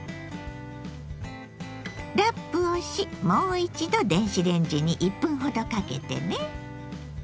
ラップをしもう一度電子レンジに１分ほどかけてね。